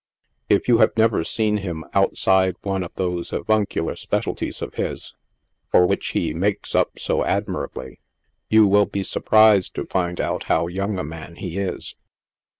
If you have never seen him outside one of these avuncular specialties of his, for which he makes up so admirably, you will be surprised to find how young a man he is.